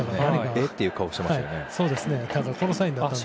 えっ？という顔をしましたね。